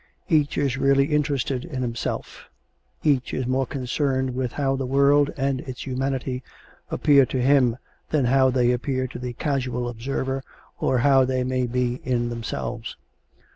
Each is really interested in himself; each is more concerned with how the world and its humanity appear to him than how they appear to the casual observer or how they may be in themselves.